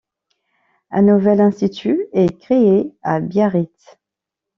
Un nouvel institut est créé à Biarritz.